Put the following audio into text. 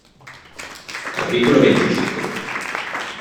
capítulo veinticinco.